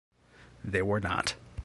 They were not.